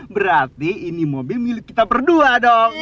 berarti ini mobil milik kita berdua dong